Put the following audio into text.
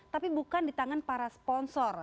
tapi bukan di tangan para sponsor